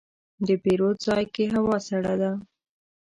د پیرود ځای کې هوا سړه ده.